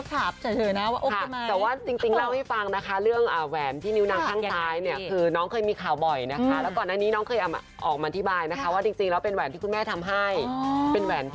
แค่ลงรูปเฉยแล้วก็ถามเฉยว่าโอเคไหม